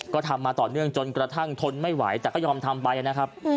ก็ทำมาต่อเนื่องจนกระทั่งทนไม่ไหวแต่ก็ยอมทำไปนะครับ